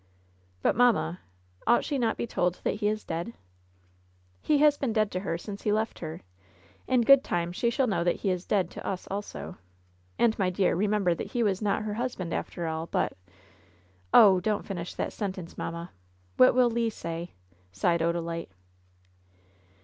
'^ "But, mamma, ought she not be told that he is dead V^ "He has been dead to her since he left her. In good time she shall know that he is dead to us also. And, my dear, remember that he was not her husband, after ali, but '' "Oh I don't finish the sentence, mamma! What will Le say?'' sighed Odalite.